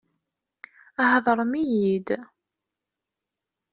Heḍṛem-iyi-d!